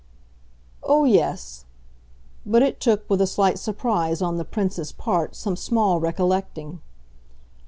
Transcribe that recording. "Oh yes!" but it took, with a slight surprise on the 'Prince's part, some small recollecting.